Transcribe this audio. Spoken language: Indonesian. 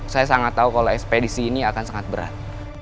saya sangat tahu kalau ekspedisi ini akan sangat berat